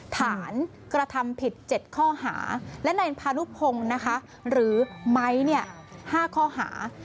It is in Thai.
ฐานกระทำผิด๗ข้อหาและในพานุพงศ์นะคะหรือไม้๕ข้อหา